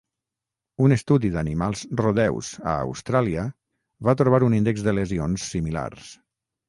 Un estudi d'animals rodeus a Austràlia va trobar un índex de lesions similar.